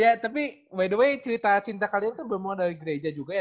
ya tapi by the way cerita cinta kalian itu bermula dari gereja juga ya